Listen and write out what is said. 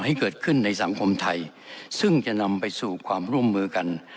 ให้เกิดขึ้นในสังคมไทยซึ่งจะนำไปสู่ความร่วมมือกัน